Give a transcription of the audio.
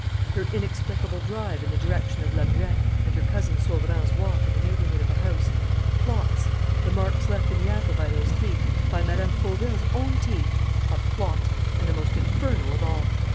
Her inexplicable drive in the direction of La Muette and her cousin Sauverand's walk in the neighbourhood of the house: plots! The marks left in the apple by those teeth, by Mme. Fauville's own teeth: a plot and the most infernal of all!